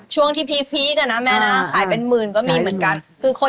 ช่วงที่พีคอ่ะนะแม่นะขายเป็นหมื่นก็มีเหมือนกัน